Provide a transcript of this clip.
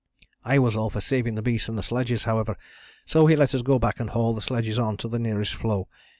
"I was all for saving the beasts and sledges, however, so he let us go back and haul the sledges on to the nearest floe.